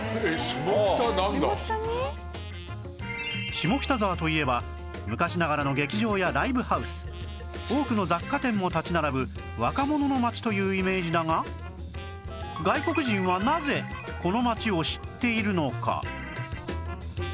下北沢といえば昔ながらの劇場やライブハウス多くの雑貨店も立ち並ぶ若者の街というイメージだが外国人はなぜこの街を知っているのか？